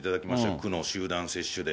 区の集団接種で。